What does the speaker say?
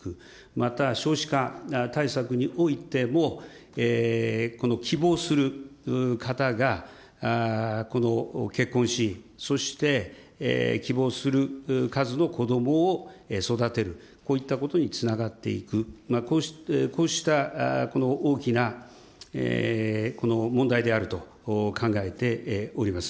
また少子化対策においても、希望する方が結婚し、そして希望する数の子どもを育てる、こういったことにつながっていく、こうした大きな問題であると考えております。